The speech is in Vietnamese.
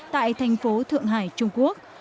tại thành phố thượng hải trung quốc